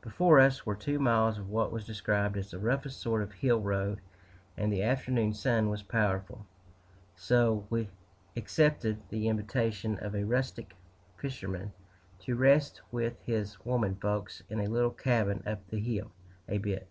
Before us were two miles of what was described as the roughest sort of hill road, and the afternoon sun was powerful; so W accepted the invitation of a rustic fisherman to rest with his "women folks" in a little cabin up the hill a bit.